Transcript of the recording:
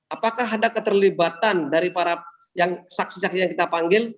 apakah ada keterlibatan dari para yang saksi saksi yang kita panggil